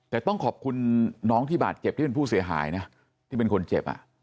แต่ต้องขอบคุณน้องที่บาดเจ็บที่เป็นผู้เสียหายนะที่เป็นคนเจ็บ